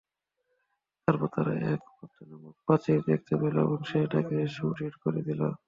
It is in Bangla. তারপর তারা এক পতনোন্মুখ প্রাচীর দেখতে পেল এবং সে এটাকে সুদৃঢ় করে দিল।